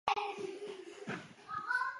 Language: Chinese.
萨格奈是加拿大的一个城市。